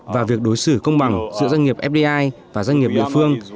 và việc đối xử công bằng giữa doanh nghiệp fdi và doanh nghiệp địa phương